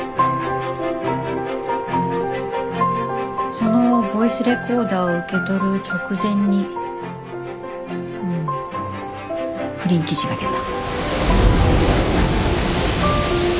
そのボイスレコーダーを受け取る直前に不倫記事が出た。